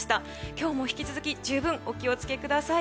今日も引き続き十分お気をつけください。